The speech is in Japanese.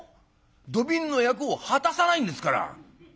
土瓶の役を果たさないんですから」。